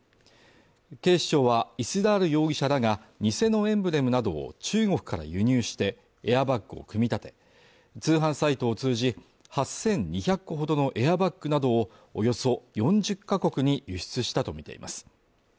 警視庁はイスラール容疑者が偽のエンブレムなどを中国から輸入してエアバッグを組み立て通販サイトを通じ８２００個ほどのエアバッグなどをおよそ４０か国に輸出したとみています